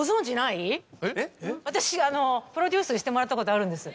私プロデュースしてもらったことあるんです。